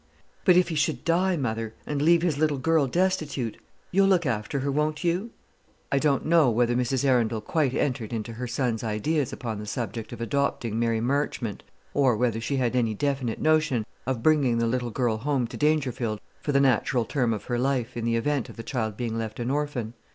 But if he should die, mother, and leave his little girl destitute, you'll look after her, won't you?" I don't know whether Mrs. Arundel quite entered into her son's ideas upon the subject of adopting Mary Marchmont, or whether she had any definite notion of bringing the little girl home to Dangerfield for the natural term of her life, in the event of the child being left an orphan.